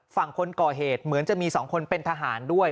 ฝั่งคนก่อเหตุเหมือนจะมี๒คนเป็นทหารด้วย